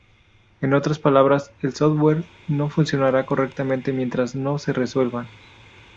En otras palabras, el software no funcionará correctamente mientras no se resuelvan.